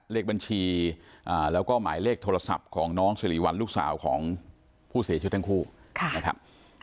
เลขบัญชีแล้วก็หมายเลขโทรศัพท์ของน้องสิริวัลลูกสาวของผู้เสียชีวิตทั้งคู่นะครับ